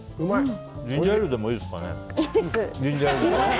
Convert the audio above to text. ジンジャーエールでもいいですかね。